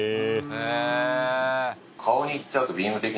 へえ！